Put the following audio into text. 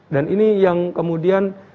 dan ini yang kemudian